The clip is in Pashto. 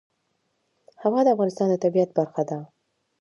هوا د افغانستان د طبیعت برخه ده.